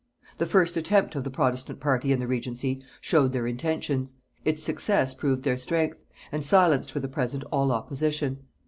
The first attempt of the protestant party in the regency showed their intentions; its success proved their strength, and silenced for the present all opposition.